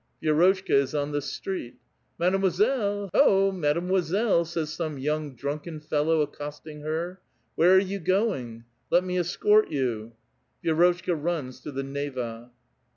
Vi^rotcbka is on the street. "Mademoiselle! ho, mademoiselle!" says some young drunken fellow, accosting her. "Where are you going? Let me escort you." Vi^rotchka runs to the Neva.